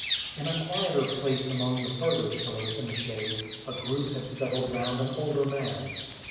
In a quieter place among the further pillars in the shade, a group had settled round an older man.